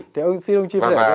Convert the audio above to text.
thì ông xin ông chí phép